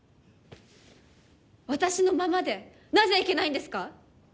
私のままでなぜいけないんですか？